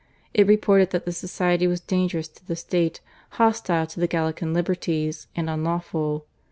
It reported that the Society was dangerous to the state, hostile to the /Gallican Liberties/, and unlawful.